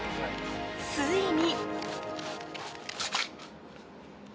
ついに。